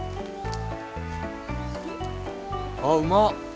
あっうま！